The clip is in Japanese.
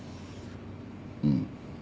うん。